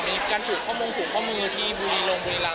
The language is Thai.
มีการผูกข้อมงผูกข้อมือที่บุรีรงบุรีรำ